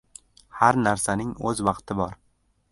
• Har narsaning o‘z vaqti bor.